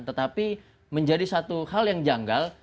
tetapi menjadi satu hal yang janggal